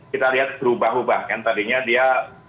kita lihat berubah ubah kan tadinya dia